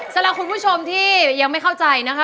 สำหรับคุณผู้ชมที่ยังไม่เข้าใจนะคะ